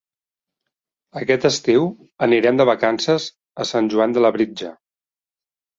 Aquest estiu anirem de vacances a Sant Joan de Labritja.